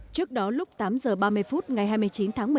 trước đó lúc tám h ba mươi phút ngày hai mươi chín tháng một mươi một